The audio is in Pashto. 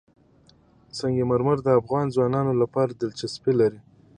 سنگ مرمر د افغان ځوانانو لپاره دلچسپي لري.